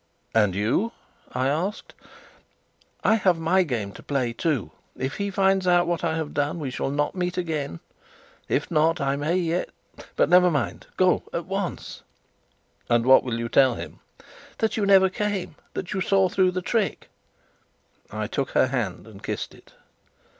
"And you?" I asked. "I have my game to play too. If he finds out what I have done, we shall not meet again. If not, I may yet But never mind. Go at once." "But what will you tell him?" "That you never came that you saw through the trick." I took her hand and kissed it.